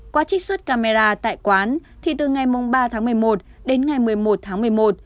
qua trích xuất camera tại quán thì từ ngày ba tháng một mươi một đến ngày một mươi một tháng một mươi một